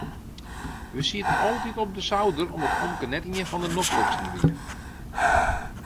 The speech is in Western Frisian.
We sieten altyd op de souder omdat omke net ien fan de nofliksten wie.